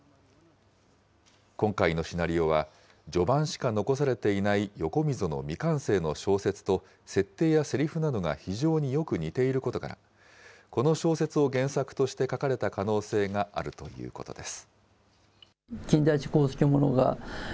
今回のシナリオは、序盤しか残されていない横溝の未完成の小説と、設定やせりふなどが非常によく似ていることから、この小説を原作として書かれた可能性があるということです。